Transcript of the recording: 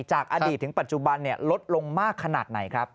จากอดีตถึงปัจจุบันลดลงมากขนาดไหนครับ